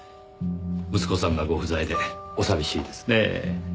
息子さんがご不在でお寂しいですねぇ。